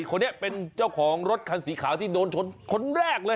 คนนี้เป็นเจ้าของรถคันสีขาวที่โดนชนคนแรกเลย